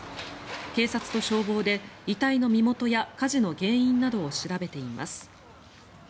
警察と消防で遺体の身元や火事の原因などを調べています。